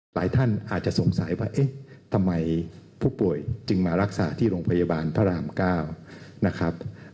หลายท่านอาจจะสงสัยว่าเอ๊ะทำไมผู้ป่วยจึงมารักษาที่โรงพยาบาลพระราม๙นะครับ